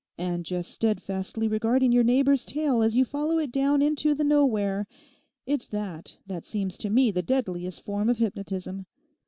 And just steadfastly regarding your neighbour's tail as you follow it down into the Nowhere—it's that that seems to me the deadliest form of hypnotism.